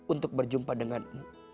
untuk berjumpa denganmu